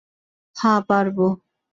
হ্যাঁ, পারব।